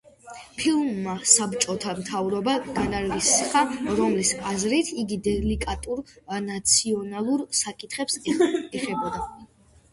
ფილმმა საბჭოთა მთავრობა განარისხა, რომლის აზრით იგი დელიკატურ ნაციონალურ საკითხებს ეხებოდა.